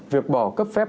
việc bỏ cấp phép